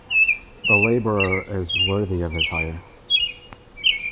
The labourer is worthy of his hire.